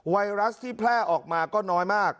ไวรัสที่แพร่ออกมาก็น้อยมาก